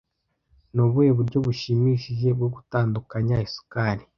Nubuhe buryo bushimishije bwo gutandukanya isukari